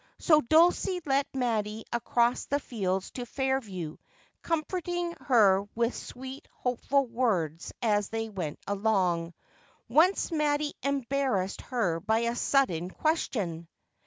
So Dulcie led Mattie across the fields to Fairview, comforting her with sweet, hopeful words as they went along. Once Mattie embarrassed her by a sudden question.